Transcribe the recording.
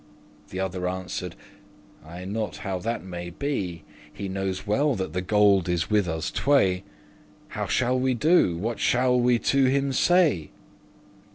Th' other answer'd, "I n'ot* how that may be; *know not He knows well that the gold is with us tway. What shall we do? what shall we to him say?"